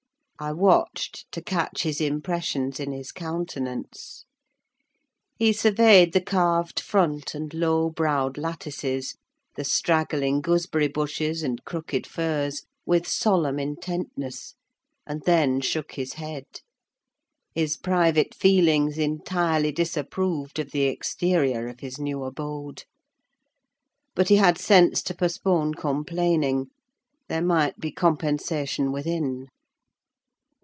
I watched to catch his impressions in his countenance. He surveyed the carved front and low browed lattices, the straggling gooseberry bushes and crooked firs, with solemn intentness, and then shook his head: his private feelings entirely disapproved of the exterior of his new abode. But he had sense to postpone complaining: there might be compensation within.